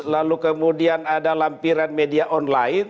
lalu kemudian ada lampiran media online